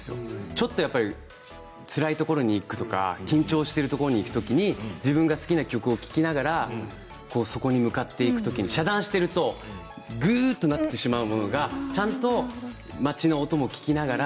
ちょっとつらいところに行くとか緊張してるところに行く時に自分が好きな曲を聴きながらそこに向かっていく時に遮断しているとぐっとなってしまうものがちゃんと街の音も聴きながら